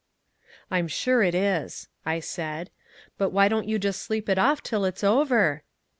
"I'm sure it is," I said. "But why don't you just sleep it off till it's over?"